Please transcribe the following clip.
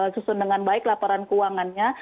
susun dengan baik laporan keuangannya